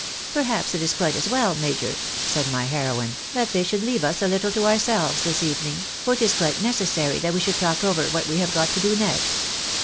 " Perhaps it is quite as well, major," said my heroine, " that they should leave us a little to ourselves this evening, for it is quite necessary that we should talk over what we have got to do next.